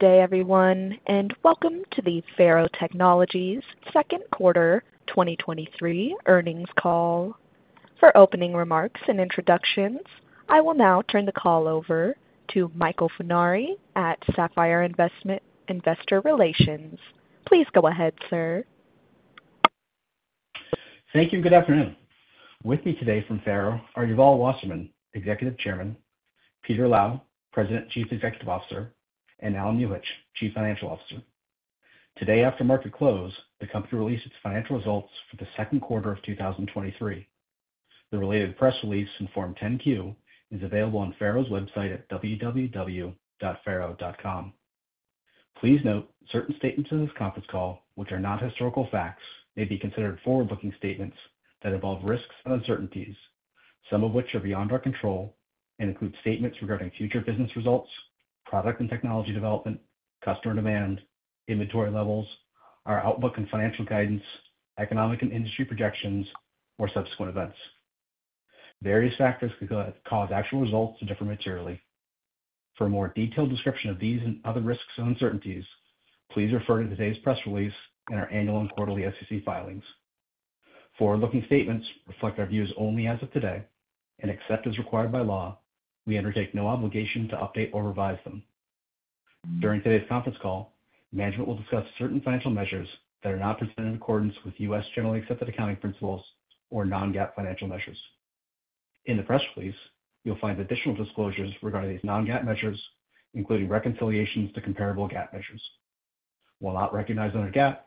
Good day, everyone, and welcome to the FARO Technologies second quarter 2023 earnings call. For opening remarks and introductions, I will now turn the call over to Michael Funari at Sapphire Investor Relations. Please go ahead, sir. Thank you. Good afternoon. With me today from FARO are Yuval Wasserman, Executive Chairman; Peter Lau, President, Chief Executive Officer; and Allen Newitt, Chief Financial Officer. Today, after market close, the company released its financial results for the second quarter of 2023. The related press release in Form 10-Q is available on FARO's website at www.faro.com. Please note, certain statements in this conference call, which are not historical facts, may be considered forward-looking statements that involve risks and uncertainties, some of which are beyond our control, and include statements regarding future business results, product and technology development, customer demand, inventory levels, our outlook and financial guidance, economic and industry projections, or subsequent events. Various factors could cause actual results to differ materially. For a more detailed description of these and other risks and uncertainties, please refer to today's press release and our annual and quarterly SEC filings. Forward-looking statements reflect our views only as of today, and except as required by law, we undertake no obligation to update or revise them. During today's conference call, management will discuss certain financial measures that are not presented in accordance with U.S. generally accepted accounting principles or non-GAAP financial measures. In the press release, you'll find additional disclosures regarding these non-GAAP measures, including reconciliations to comparable GAAP measures. While not recognized under GAAP,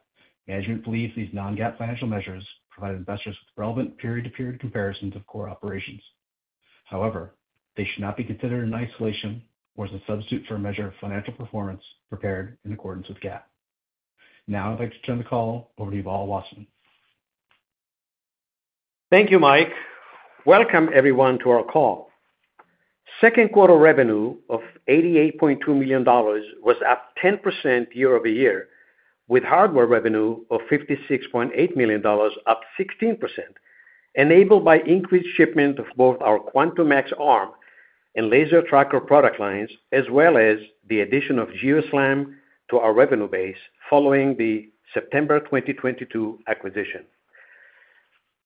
management believes these non-GAAP financial measures provide investors with relevant period-to-period comparisons of core operations. However, they should not be considered in isolation or as a substitute for a measure of financial performance prepared in accordance with GAAP. Now, I'd like to turn the call over to Yuval Wasserman. Thank you, Mike. Welcome, everyone, to our call. Second quarter revenue of $88.2 million was up 10% year-over-year, with hardware revenue of $56.8 million, up 16%, enabled by increased shipment of both our Quantum Max ScanArm and Laser Tracker product lines, as well as the addition of GeoSLAM to our revenue base following the September 2022 acquisition.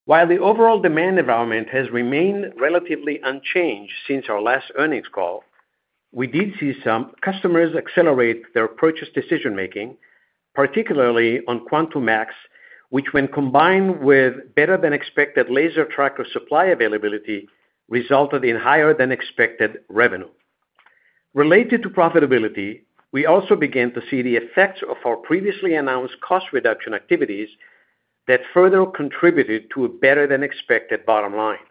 While the overall demand environment has remained relatively unchanged since our last earnings call, we did see some customers accelerate their purchase decision-making, particularly on Quantum Max, which when combined with better-than-expected Laser Tracker supply availability, resulted in higher-than-expected revenue. Related to profitability, we also began to see the effects of our previously announced cost reduction activities that further contributed to a better-than-expected bottom line.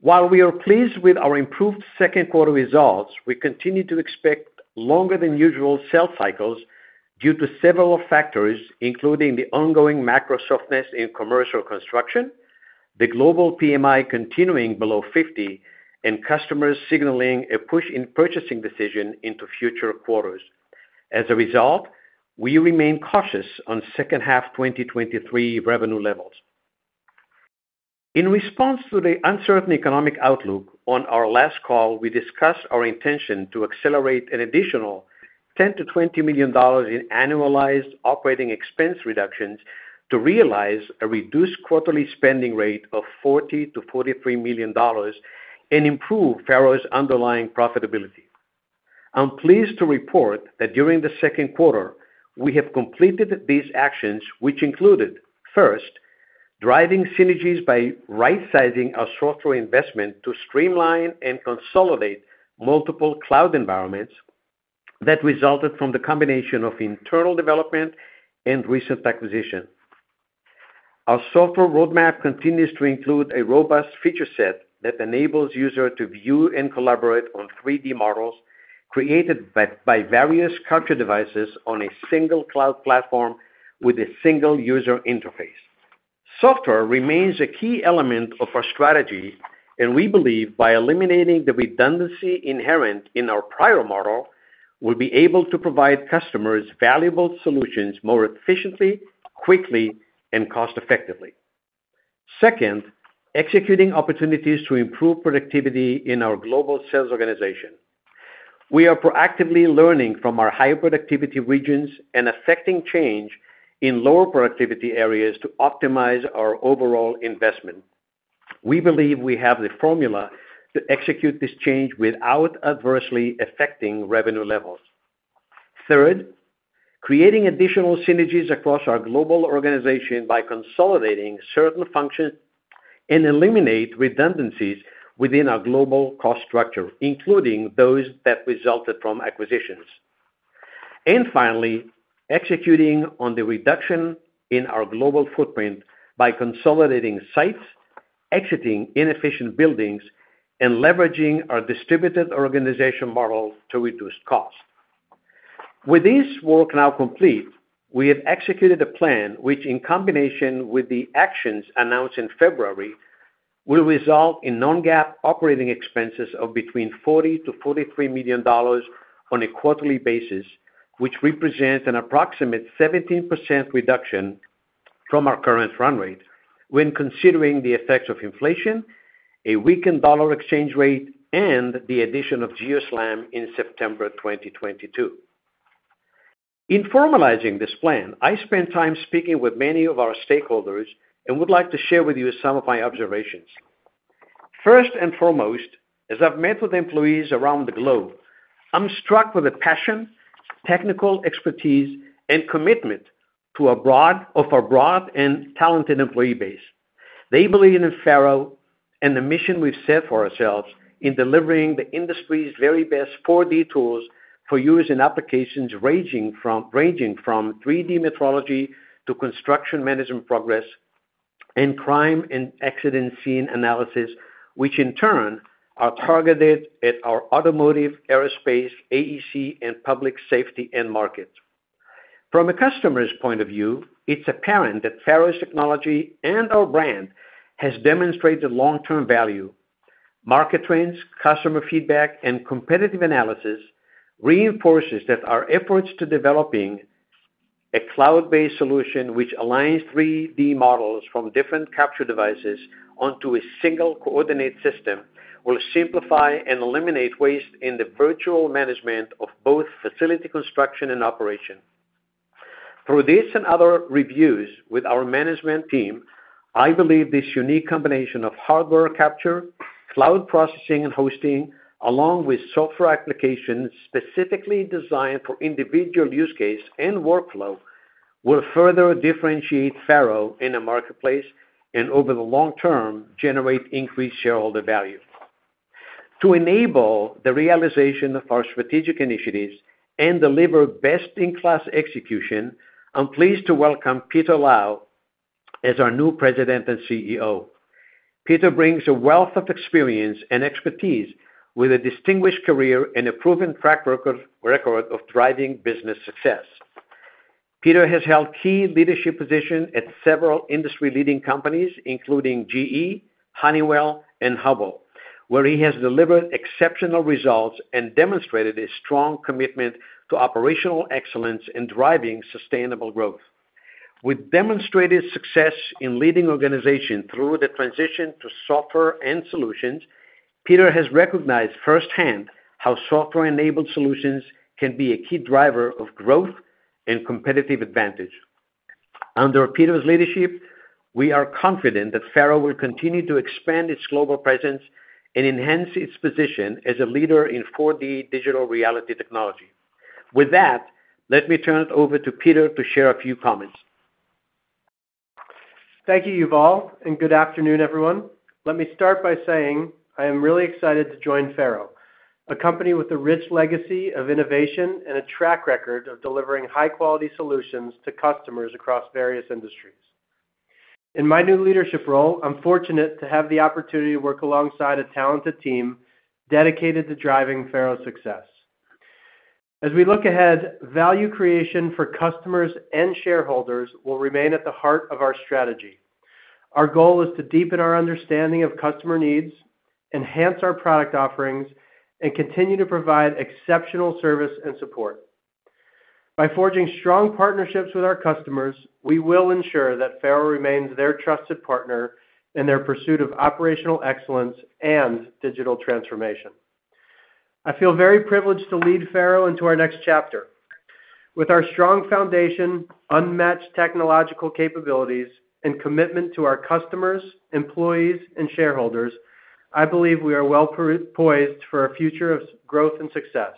While we are pleased with our improved second quarter results, we continue to expect longer than usual sales cycles due to several factors, including the ongoing macro softness in commercial construction, the global PMI continuing below 50, and customers signaling a push in purchasing decision into future quarters. As a result, we remain cautious on second half 2023 revenue levels. In response to the uncertain economic outlook on our last call, we discussed our intention to accelerate an additional $10 million to $20 million in annualized operating expense reductions to realize a reduced quarterly spending rate of $40 million to $43 million and improve FARO's underlying profitability. I'm pleased to report that during the second quarter, we have completed these actions, which included, first, driving synergies by right-sizing our software investment to streamline and consolidate multiple cloud environments that resulted from the combination of internal development and recent acquisitions. Our software roadmap continues to include a robust feature set that enables user to view and collaborate on 3D models created by various capture devices on a single cloud platform with a single user interface. Software remains a key element of our strategy, we believe by eliminating the redundancy inherent in our prior model, we'll be able to provide customers valuable solutions more efficiently, quickly, and cost-effectively. Second, executing opportunities to improve productivity in our global sales organization. We are proactively learning from our high-productivity regions and affecting change in lower productivity areas to optimize our overall investment. We believe we have the formula to execute this change without adversely affecting revenue levels. Third, creating additional synergies across our global organization by consolidating certain functions and eliminate redundancies within our global cost structure, including those that resulted from acquisitions. Finally, executing on the reduction in our global footprint by consolidating sites, exiting inefficient buildings, and leveraging our distributed organization model to reduce costs. With this work now complete, we have executed a plan, which in combination with the actions announced in February, will result in non-GAAP operating expenses of between $40 million to $43 million on a quarterly basis, which represents an approximate 17% reduction from our current run rate when considering the effects of inflation, a weakened dollar exchange rate, and the addition of GeoSLAM in September 2022. In formalizing this plan, I spent time speaking with many of our stakeholders and would like to share with you some of my observations. First and foremost, as I've met with employees around the globe, I'm struck with the passion, technical expertise, and commitment of our broad and talented employee base. They believe in FARO and the mission we've set for ourselves in delivering the industry's very best 4D tools for use in applications ranging from, ranging from 3D metrology to construction management progress, and crime and accident scene analysis, which in turn are targeted at our automotive, aerospace, AEC, and public safety end markets. From a customer's point of view, it's apparent that FARO's technology and our brand has demonstrated long-term value. Market trends, customer feedback, and competitive analysis reinforces that our efforts to developing a cloud-based solution, which aligns 3D models from different capture devices onto a single coordinate system, will simplify and eliminate waste in the virtual management of both facility construction and operation. Through this and other reviews with our management team, I believe this unique combination of hardware capture, cloud processing and hosting, along with software applications specifically designed for individual use case and workflow, will further differentiate FARO in the marketplace, and over the long term, generate increased shareholder value. To enable the realization of our strategic initiatives and deliver best-in-class execution, I'm pleased to welcome Peter Lau as our new President and CEO. Peter brings a wealth of experience and expertise with a distinguished career and a proven track record of driving business success. Peter has held key leadership positions at several industry-leading companies, including GE, Honeywell, and Hubbell, where he has delivered exceptional results and demonstrated a strong commitment to operational excellence in driving sustainable growth. With demonstrated success in leading organization through the transition to software and solutions, Peter has recognized firsthand how software-enabled solutions can be a key driver of growth and competitive advantage. Under Peter's leadership, we are confident that FARO will continue to expand its global presence and enhance its position as a leader in 4D digital reality technology. With that, let me turn it over to Peter to share a few comments. Thank you, Yuval, and good afternoon, everyone. Let me start by saying I am really excited to join FARO, a company with a rich legacy of innovation and a track record of delivering high-quality solutions to customers across various industries. In my new leadership role, I'm fortunate to have the opportunity to work alongside a talented team dedicated to driving FARO's success. As we look ahead, value creation for customers and shareholders will remain at the heart of our strategy. Our goal is to deepen our understanding of customer needs, enhance our product offerings, and continue to provide exceptional service and support. By forging strong partnerships with our customers, we will ensure that FARO remains their trusted partner in their pursuit of operational excellence and digital transformation. I feel very privileged to lead FARO into our next chapter. With our strong foundation, unmatched technological capabilities, and commitment to our customers, employees, and shareholders, I believe we are well poised for a future of growth and success.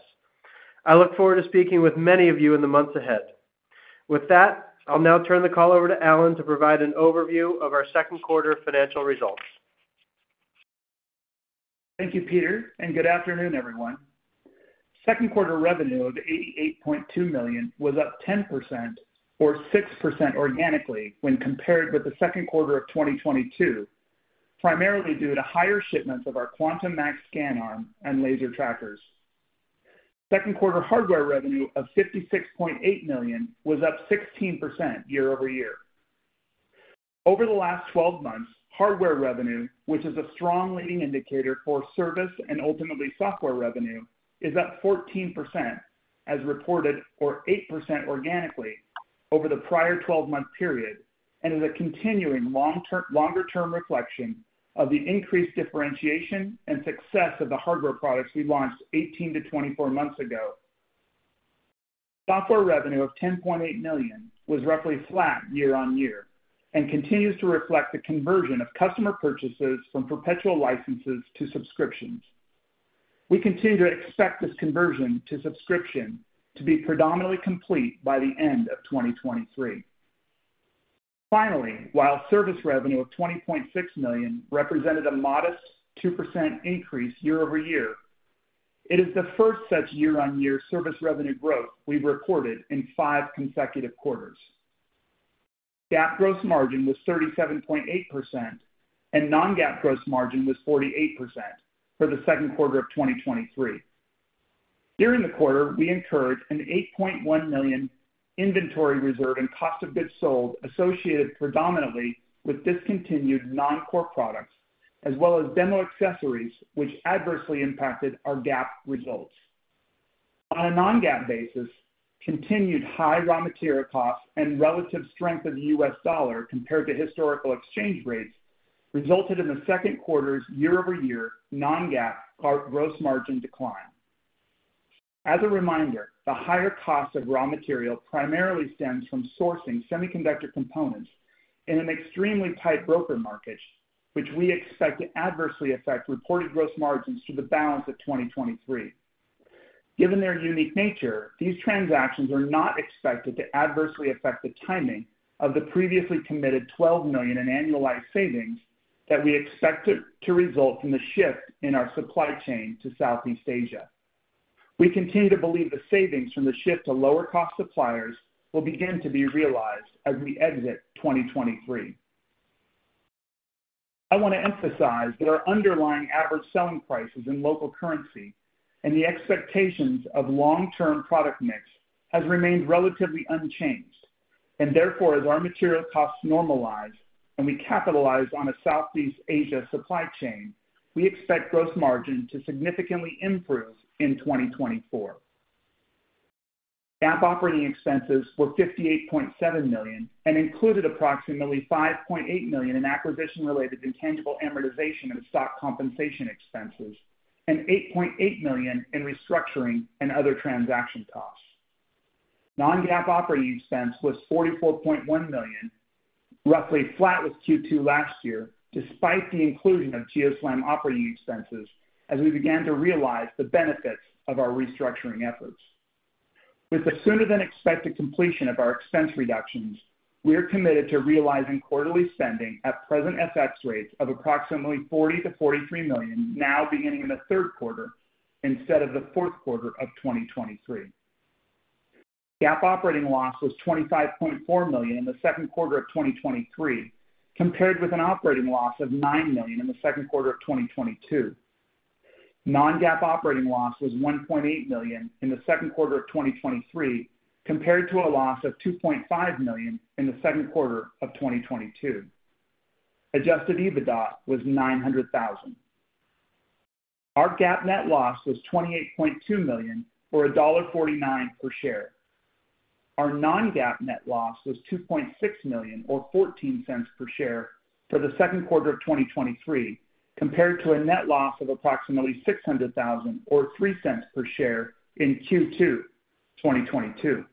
I look forward to speaking with many of you in the months ahead. With that, I'll now turn the call over to Allen to provide an overview of our second quarter financial results. Thank you, Peter, and good afternoon, everyone. Second quarter revenue of $88.2 million was up 10%, or 6% organically, when compared with the second quarter of 2022, primarily due to higher shipments of our Quantum Max ScanArm and Laser Trackers. Second quarter hardware revenue of $56.8 million was up 16% year-over-year. Over the last 12 months, hardware revenue, which is a strong leading indicator for service and ultimately software revenue, is up 14%, as reported, or 8% organically over the prior 12-month period, and is a continuing longer-term reflection of the increased differentiation and success of the hardware products we launched 18-24 months ago. Software revenue of $10.8 million was roughly flat year-on-year and continues to reflect the conversion of customer purchases from perpetual licenses to subscriptions. We continue to expect this conversion to subscription to be predominantly complete by the end of 2023. Finally, while service revenue of $20.6 million represented a modest 2% increase year-over-year, it is the first such year-on-year service revenue growth we've recorded in five consecutive quarters. GAAP gross margin was 37.8%, and non-GAAP gross margin was 48% for the second quarter of 2023. During the quarter, we incurred an $8.1 million inventory reserve and cost of goods sold associated predominantly with discontinued non-core products, as well as demo accessories, which adversely impacted our GAAP results. On a non-GAAP basis, continued high raw material costs and relative strength of the U.S. dollar compared to historical exchange rates resulted in the second quarter's year-over-year non-GAAP gross margin decline. As a reminder, the higher cost of raw material primarily stems from sourcing semiconductor components in an extremely tight broker market, which we expect to adversely affect reported gross margins through the balance of 2023. Given their unique nature, these transactions are not expected to adversely affect the timing of the previously committed $12 million in annualized savings that we expect to result from the shift in our supply chain to Southeast Asia. We continue to believe the savings from the shift to lower-cost suppliers will begin to be realized as we exit 2023. I want to emphasize that our underlying average selling prices in local currency and the expectations of long-term product mix has remained relatively unchanged, and therefore, as our material costs normalize and we capitalize on a Southeast Asia supply chain, we expect gross margin to significantly improve in 2024. GAAP operating expenses were $58.7 million and included approximately $5.8 million in acquisition-related intangible amortization and stock compensation expenses, and $8.8 million in restructuring and other transaction costs. Non-GAAP operating expense was $44.1 million, roughly flat with Q2 last year, despite the inclusion of GeoSLAM operating expenses as we began to realize the benefits of our restructuring efforts. With the sooner-than-expected completion of our expense reductions, we are committed to realizing quarterly spending at present FX rates of approximately $40 million to $43 million, now beginning in the third quarter instead of the fourth quarter of 2023. GAAP operating loss was $25.4 million in the second quarter of 2023, compared with an operating loss of $9 million in the second quarter of 2022. Non-GAAP operating loss was $1.8 million in the second quarter of 2023, compared to a loss of $2.5 million in the second quarter of 2022. Adjusted EBITDA was $900,000. Our GAAP net loss was $28.2 million, or $1.49 per share. Our non-GAAP net loss was $2.6 million, or $0.14 per share for the second quarter of 2023, compared to a net loss of approximately $600,000 or $0.03 per share in Q2 2022.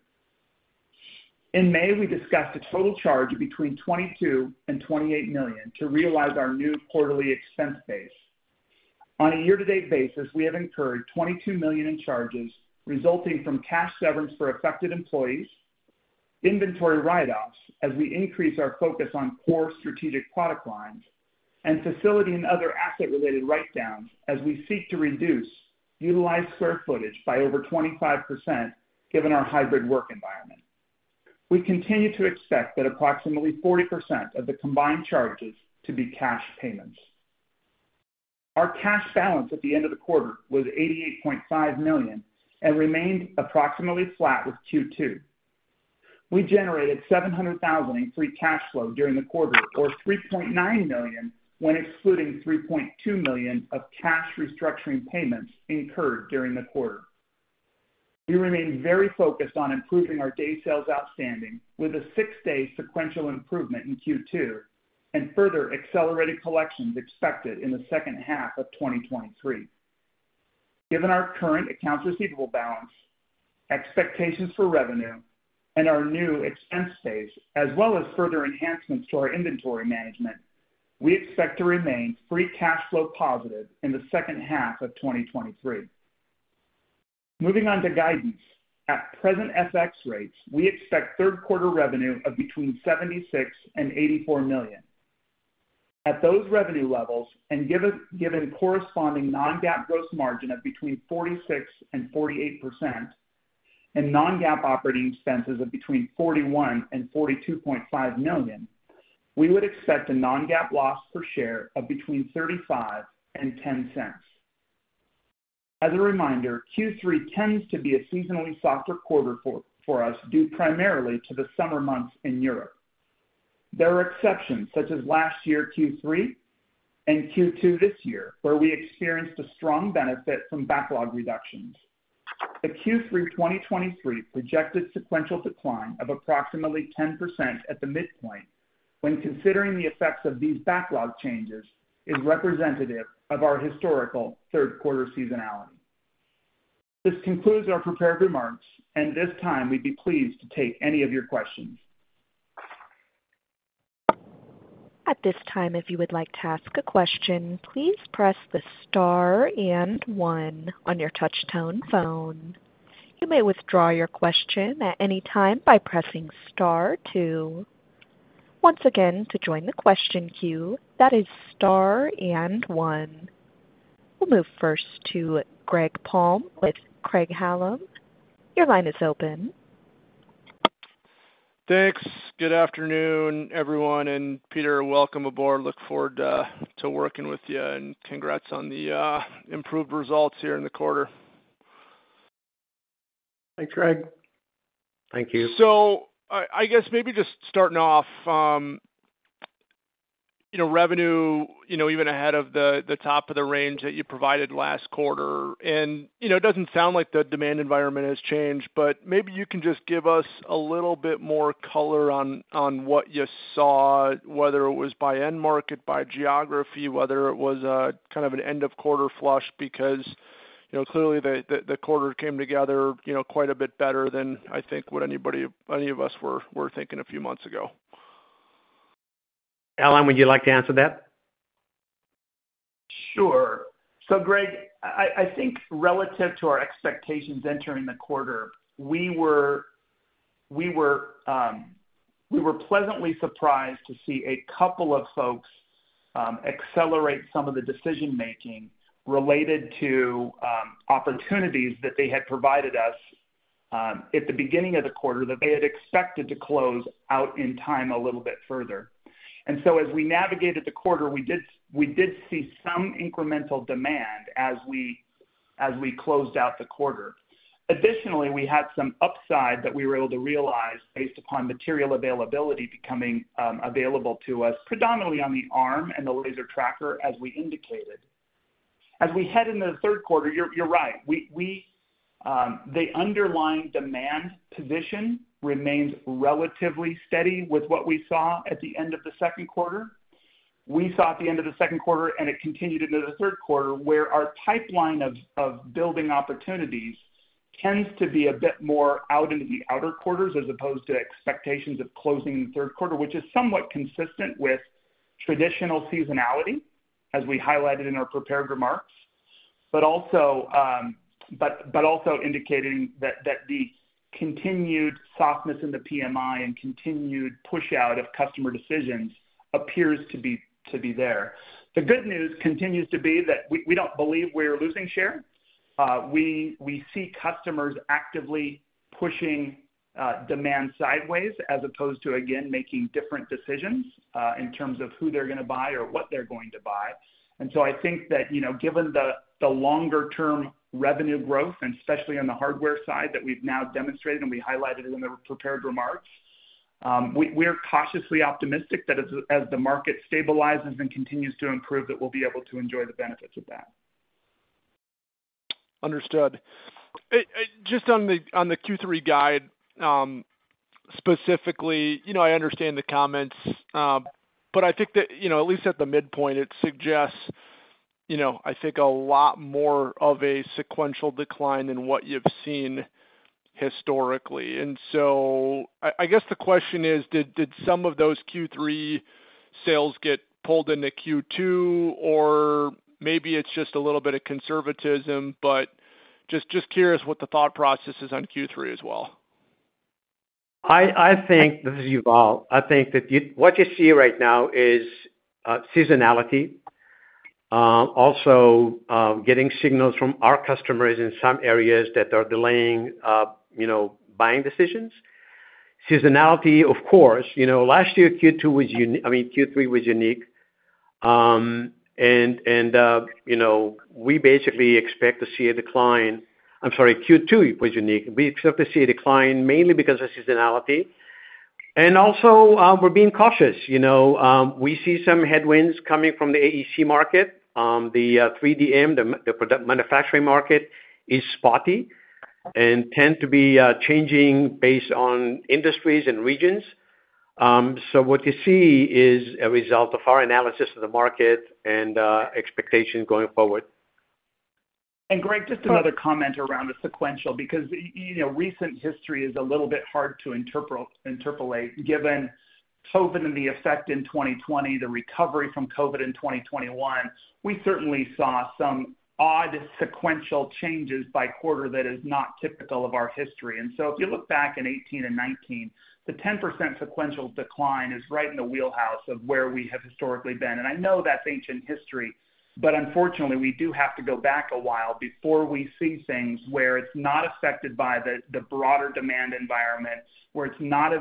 In May, we discussed a total charge of between $22 million and $28 million to realize our new quarterly expense base. On a year-to-date basis, we have incurred $22 million in charges resulting from cash severance for affected employees, inventory write-offs as we increase our focus on core strategic product lines, and facility and other asset-related write-downs as we seek to reduce utilized square footage by over 25%, given our hybrid work environment. We continue to expect that approximately 40% of the combined charges to be cash payments. Our cash balance at the end of the quarter was $88.5 million and remained approximately flat with Q2. We generated $700,000 in free cash flow during the quarter, or $3.9 million when excluding $3.2 million of cash restructuring payments incurred during the quarter. We remain very focused on improving our day sales outstanding with a 6-day sequential improvement in Q2 and further accelerated collections expected in the second half of 2023. Given our current accounts receivable balance, expectations for revenue, and our new expense base, as well as further enhancements to our inventory management, we expect to remain free cash flow positive in the second half of 2023. Moving on to guidance. At present FX rates, we expect third quarter revenue of between $76 million and $84 million. At those revenue levels and given corresponding non-GAAP gross margin of between 46% and 48% and non-GAAP operating expenses of between $41 million and $42.5 million, we would expect a non-GAAP loss per share of between $0.35 and $0.10. As a reminder, Q3 tends to be a seasonally softer quarter for us, due primarily to the summer months in Europe. There are exceptions, such as last year, Q3 and Q2 this year, where we experienced a strong benefit from backlog reductions. The Q3 2023 projected sequential decline of approximately 10% at the midpoint when considering the effects of these backlog changes, is representative of our historical third quarter seasonality. This concludes our prepared remarks, and at this time, we'd be pleased to take any of your questions. At this time, if you would like to ask a question, please press the star and one on your touchtone phone. You may withdraw your question at any time by pressing star two. Once again, to join the question queue, that is star and one. We'll move first to Greg Palm with Craig-Hallum. Your line is open. Thanks. Good afternoon, everyone, and Peter, welcome aboard. Look forward to working with you and congrats on the improved results here in the quarter. Thanks, Greg. Thank you. I, I guess maybe just starting off, you know, revenue, you know, even ahead of the, the top of the range that you provided last quarter. You know, it doesn't sound like the demand environment has changed, but maybe you can just give us a little bit more color on, on what you saw, whether it was by end market, by geography, whether it was a kind of an end of quarter flush, because, you know, clearly the, the, the quarter came together, you know, quite a bit better than I think what any of us were, were thinking a few months ago. Allen, would you like to answer that? Sure. Greg, I, I think relative to our expectations entering the quarter, we were, we were, we were pleasantly surprised to see a couple of folks accelerate some of the decision making related to opportunities that they had provided us at the beginning of the quarter, that they had expected to close out in time a little bit further. As we navigated the quarter, we did, we did see some incremental demand as we, as we closed out the quarter. Additionally, we had some upside that we were able to realize based upon material availability becoming available to us, predominantly on the arm and the Laser Tracker, as we indicated. As we head into the third quarter, you're, you're right, we, we the underlying demand position remains relatively steady with what we saw at the end of the second quarter. We saw at the end of the second quarter, and it continued into the third quarter, where our pipeline of, of building opportunities tends to be a bit more out in the outer quarters, as opposed to expectations of closing in the third quarter, which is somewhat consistent with traditional seasonality, as we highlighted in our prepared remarks. Also, also indicating that, that the continued softness in the PMI and continued push out of customer decisions appears to be, to be there. The good news continues to be that we, we don't believe we're losing share. We, we see customers actively pushing, demand sideways as opposed to, again, making different decisions, in terms of who they're gonna buy or what they're going to buy. I think that, you know, given the, the longer term revenue growth, and especially on the hardware side, that we've now demonstrated and we highlighted in the prepared remarks, we, we're cautiously optimistic that as, as the market stabilizes and continues to improve, that we'll be able to enjoy the benefits of that. Understood. Just on the Q3 guide, specifically, you know, I understand the comments, but I think that, you know, at least at the midpoint, it suggests, you know, I think, a lot more of a sequential decline than what you've seen historically. I guess the question is: did, did some of those Q3 sales get pulled into Q2, or maybe it's just a little bit of conservatism? Just, just curious what the thought process is on Q3 as well. I think. This is Yuval. I think that you, what you see right now is seasonality, also, getting signals from our customers in some areas that are delaying, you know, buying decisions. Seasonality, of course, you know, last year, Q2 was I mean, Q3 was unique. You know, we basically expect to see a decline. I'm sorry, Q2 was unique. We expect to see a decline mainly because of seasonality, and also, we're being cautious. You know, we see some headwinds coming from the AEC market. The 3DM, the product manufacturing market, is spotty and tend to be changing based on industries and regions. What you see is a result of our analysis of the market and expectations going forward. Greg, just another comment around the sequential, because, you know, recent history is a little bit hard to interpolate, given COVID and the effect in 2020, the recovery from COVID in 2021. We certainly saw some odd sequential changes by quarter that is not typical of our history. If you look back in 2018 and 2019, the 10% sequential decline is right in the wheelhouse of where we have historically been. I know that's ancient history, but unfortunately, we do have to go back a while before we see things where it's not affected by the, the broader demand environment, where it's not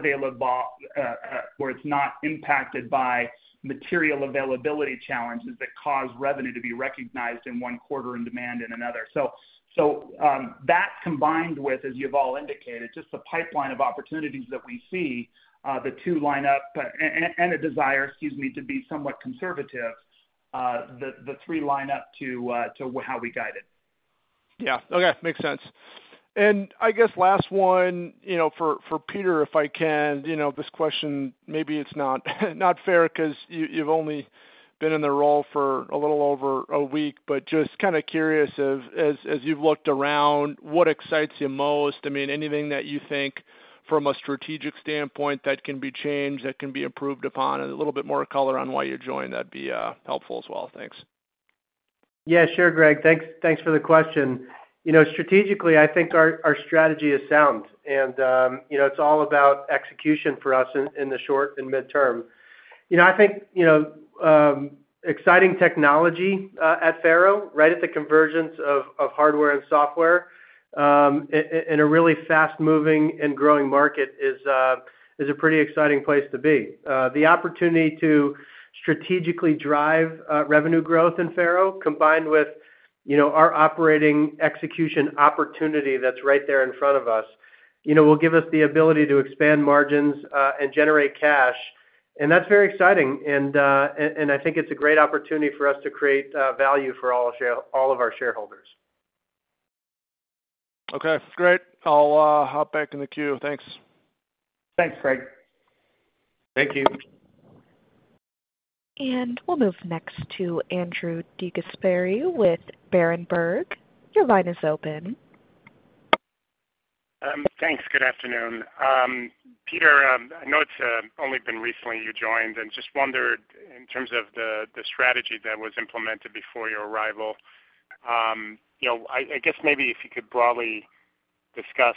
impacted by material availability challenges that cause revenue to be recognized in one quarter and demand in another. That combined with, as Yuval indicated, just the pipeline of opportunities that we see, the two line up, and a desire, excuse me, to be somewhat conservative, the three line up to how we guide it. Yeah. Okay, makes sense. I guess last one, you know, for Peter, if I can. You know, this question, maybe it's not, not fair because you, you've only been in the role for a little over a week. Just kind of curious, as you've looked around, what excites you most? I mean, anything that you think from a strategic standpoint that can be changed, that can be improved upon, and a little bit more color on why you joined, that'd be helpful as well. Thanks. Yeah, sure, Greg. Thanks, thanks for the question. You know, strategically, I think our, our strategy is sound, and, you know, it's all about execution for us in, in the short and midterm. You know, I think, you know, exciting technology at FARO, right at the convergence of, of hardware and software, in a really fast-moving and growing market is a pretty exciting place to be. The opportunity to strategically drive revenue growth in FARO, combined with you know, our operating execution opportunity that's right there in front of us, you know, will give us the ability to expand margins and generate cash. That's very exciting, and, and I think it's a great opportunity for us to create value for all of our shareholders. Okay, great. I'll hop back in the queue. Thanks. Thanks, Craig. Thank you. We'll move next to Andrew DeGasperi with Berenberg. Your line is open. Thanks. Good afternoon. Peter, I know it's only been recently you joined and just wondered, in terms of the, the strategy that was implemented before your arrival, you know, I, I guess maybe if you could broadly discuss,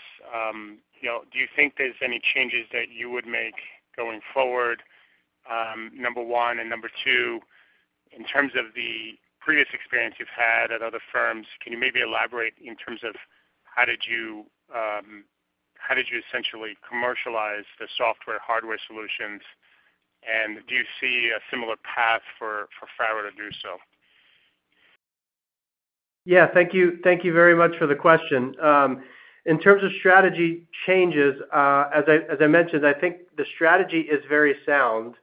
you know, do you think there's any changes that you would make going forward, number one? Number two, in terms of the previous experience you've had at other firms, can you maybe elaborate in terms of how did you, how did you essentially commercialize the software, hardware solutions? Do you see a similar path for FARO to do so? Yeah, thank you. Thank you very much for the question. In terms of strategy changes, as I, as I mentioned, I think the strategy is very sound.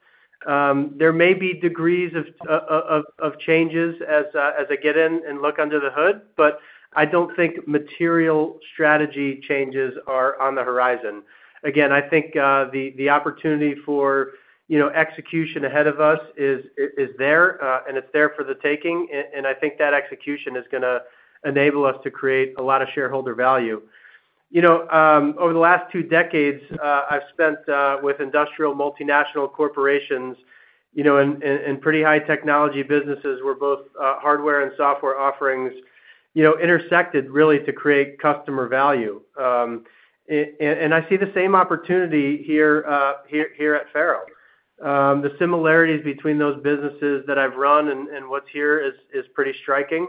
There may be degrees of changes as I get in and look under the hood, but I don't think material strategy changes are on the horizon. Again, I think the, the opportunity for, you know, execution ahead of us is, is there, and it's there for the taking. I think that execution is gonna enable us to create a lot of shareholder value. You know, over the last 2 decades, I've spent with industrial multinational corporations, you know, in, in, in pretty high technology businesses where both hardware and software offerings, you know, intersected really to create customer value. I see the same opportunity here, here, here at FARO. The similarities between those businesses that I've run and, and what's here is, is pretty striking.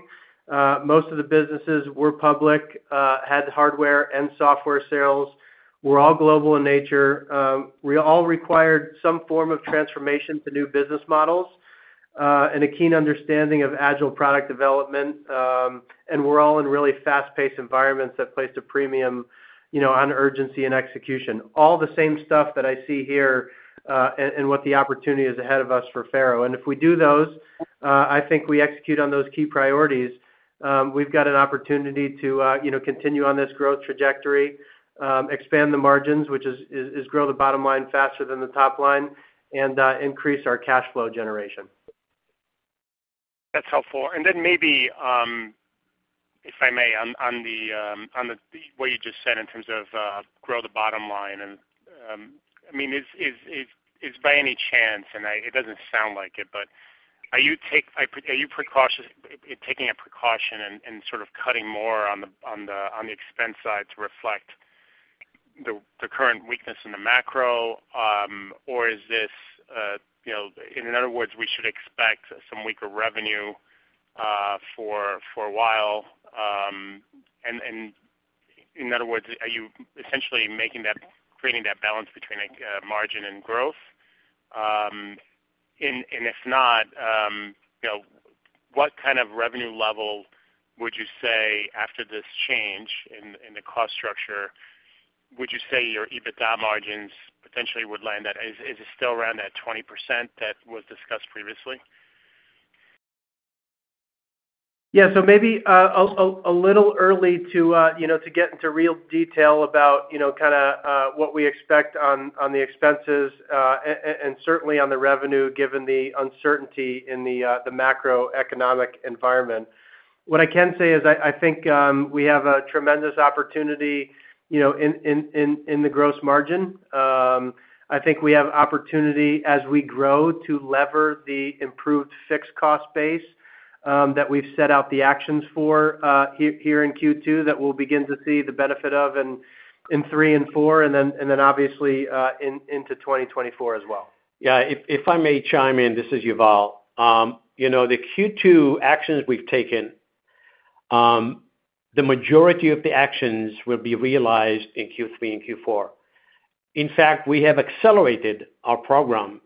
Most of the businesses were public, had hardware and software sales, were all global in nature. We all required some form of transformation to new business models, and a keen understanding of agile product development. We're all in really fast-paced environments that placed a premium, you know, on urgency and execution. All the same stuff that I see here, and, and what the opportunity is ahead of us for FARO. If we do those, I think we execute on those key priorities, we've got an opportunity to, you know, continue on this growth trajectory, expand the margins, which is, grow the bottom line faster than the top line, and increase our cash flow generation. That's helpful. Then maybe, if I may, on, on the, on the, what you just said in terms of, grow the bottom line and, I mean, is, is, is, is by any chance, and I-- it doesn't sound like it, but are you taking a precaution and, and sort of cutting more on the, on the, on the expense side to reflect the, the current weakness in the macro? Is this, you know, in other words, we should expect some weaker revenue, for, for a while, and, and in other words, are you essentially making that, creating that balance between, like, margin and growth? If not, you know, what kind of revenue level would you say after this change in, in the cost structure, would you say your EBITDA margins potentially would land at? Is it still around that 20% that was discussed previously? Yeah. Maybe a little early to, you know, to get into real detail about, you know, what we expect on, on the expenses, and certainly on the revenue, given the uncertainty in the macroeconomic environment. What I can say is I, I think, we have a tremendous opportunity, you know, in the gross margin. I think we have opportunity as we grow to lever the improved fixed cost base, that we've set out the actions for here in Q2, that we'll begin to see the benefit of in Q3 and Q4, and then obviously, into 2024 as well. Yeah, if, if I may chime in, this is Yuval. You know, the Q2 actions we've taken, the majority of the actions will be realized in Q3 and Q4. In fact, we have accelerated our program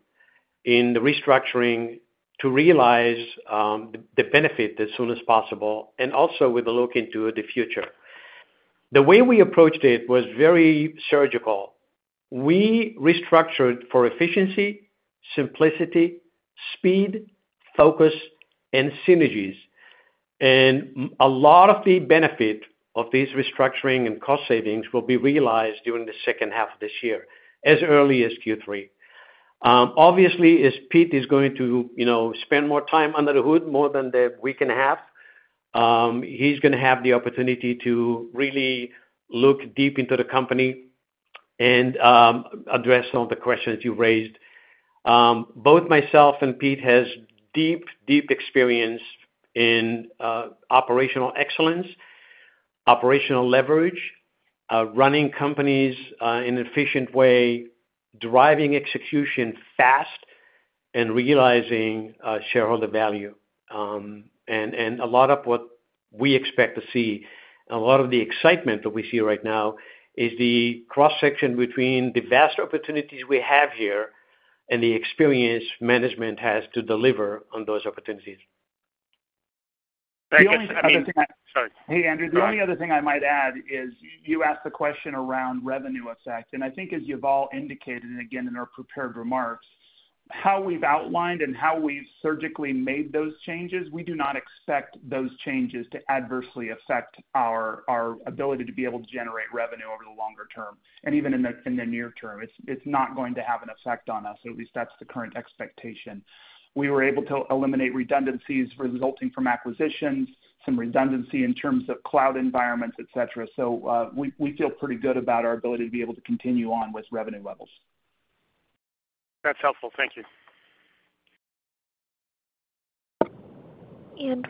in the restructuring to realize the benefit as soon as possible, and also with a look into the future. The way we approached it was very surgical. We restructured for efficiency, simplicity, speed, focus, and synergies. A lot of the benefit of this restructuring and cost savings will be realized during the second half of this year, as early as Q3. Obviously, as Pete is going to, you know, spend more time under the hood, more than the week and a half, he's gonna have the opportunity to really look deep into the company and address some of the questions you've raised. Both myself and Peter Lau has deep, deep experience in operational excellence, operational leverage, running companies in an efficient way, driving execution fast and realizing shareholder value. A lot of what we expect to see, and a lot of the excitement that we see right now, is the cross-section between the vast opportunities we have and the experience management has to deliver on those opportunities. Thank you. The only other thing. Sorry. Hey, Andrew. Go ahead. The only other thing I might add is you asked the question around revenue effect, I think as Yuval indicated, and again in our prepared remarks, how we've outlined and how we've surgically made those changes, we do not expect those changes to adversely affect our ability to be able to generate revenue over the longer term, and even in the near term. It's not going to have an effect on us, at least that's the current expectation. We were able to eliminate redundancies resulting from acquisitions, some redundancy in terms of cloud environments, et cetera. We feel pretty good about our ability to be able to continue on with revenue levels. That's helpful. Thank you.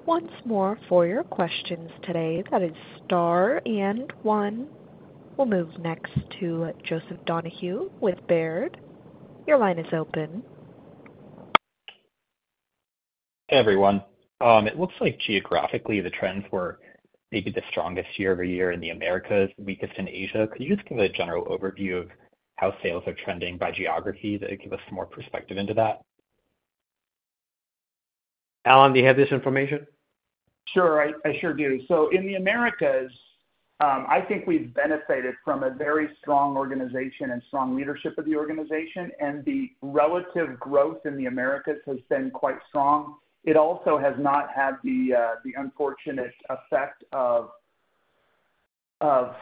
Once more for your questions today, that is star and 1. We'll move next to Joseph Donahue with Baird. Your line is open. Hey, everyone. It looks like geographically, the trends were maybe the strongest year-over-year in the Americas, weakest in Asia. Could you just give a general overview of how sales are trending by geography to give us some more perspective into that? Allen, do you have this information? Sure, I, I sure do. In the Americas, I think we've benefited from a very strong organization and strong leadership of the organization, and the relative growth in the Americas has been quite strong. It also has not had the unfortunate effect of, of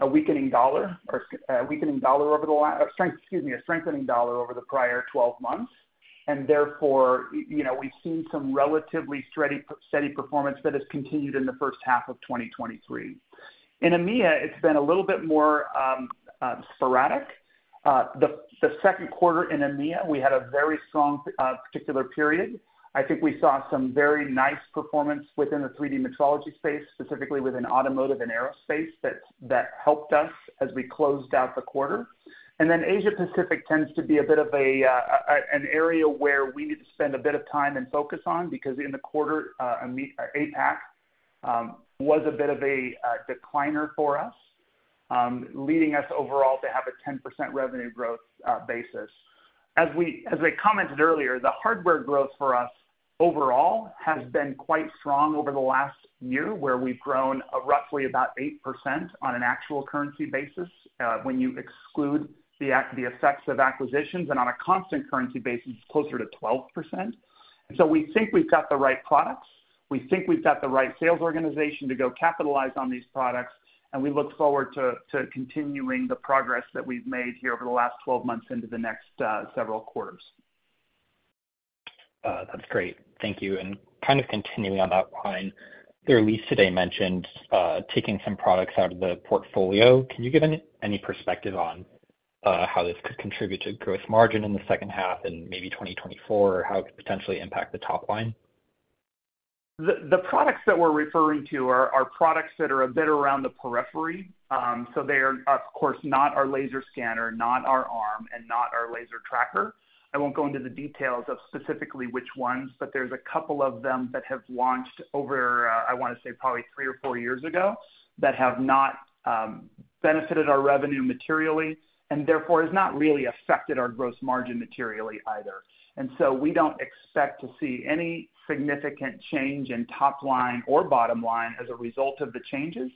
a weakening dollar, or a weakening dollar over the last-- excuse me, a strengthening dollar over the prior 12 months. Therefore, you know, we've seen some relatively steady, steady performance that has continued in the first half of 2023. In EMEA, it's been a little bit more sporadic. The, the second quarter in EMEA, we had a very strong particular period. I think we saw some very nice performance within the 3D metrology space, specifically within automotive and aerospace, that, that helped us as we closed out the quarter. Asia Pacific tends to be a bit of an area where we need to spend a bit of time and focus on, because in the quarter, EMEA, APAC was a bit of a decliner for us, leading us overall to have a 10% revenue growth basis. As I commented earlier, the hardware growth for us overall has been quite strong over the last year, where we've grown roughly about 8% on an actual currency basis, when you exclude the effects of acquisitions, and on a constant currency basis, it's closer to 12%. We think we've got the right products, we think we've got the right sales organization to go capitalize on these products, and we look forward to, to continuing the progress that we've made here over the last 12 months into the next several quarters. That's great. Thank you. kind of continuing on that line, the release today mentioned taking some products out of the portfolio. Can you give any, any perspective on how this could contribute to growth margin in the second half and maybe 2024, or how it could potentially impact the top line? The products that we're referring to are products that are a bit around the periphery. They are, of course, not our laser scanner, not our arm, and not our Laser Tracker. I won't go into the details of specifically which ones, there's a couple of them that have launched over, I want to say probably three or four years ago, that have not benefited our revenue materially, and therefore has not really affected our gross margin materially either. We don't expect to see any significant change in top line or bottom line as a result of the changes.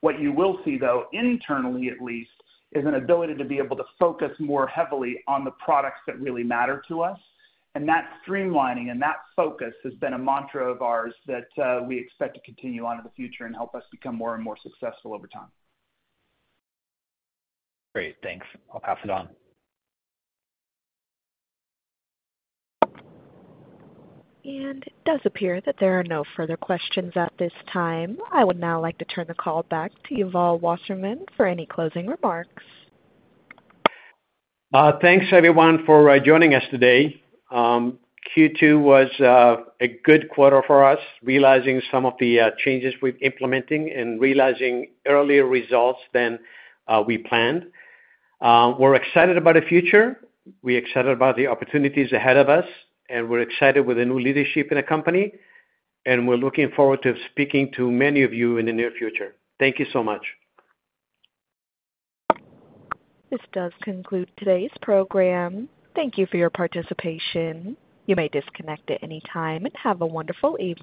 What you will see, though, internally at least, is an ability to be able to focus more heavily on the products that really matter to us. That streamlining and that focus has been a mantra of ours that we expect to continue on in the future and help us become more and more successful over time. Great, thanks. I'll pass it on. It does appear that there are no further questions at this time. I would now like to turn the call back to Yuval Wasserman for any closing remarks. Thanks, everyone, for joining us today. Q2 was a good quarter for us, realizing some of the changes we're implementing and realizing earlier results than we planned. We're excited about the future, we're excited about the opportunities ahead of us, and we're excited with the new leadership in the company, and we're looking forward to speaking to many of you in the near future. Thank you so much. This does conclude today's program. Thank you for your participation. You may disconnect at any time, and have a wonderful evening.